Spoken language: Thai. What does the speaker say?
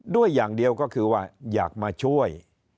ด้วยอย่างเดียวก็คือว่าอยากมาช่วย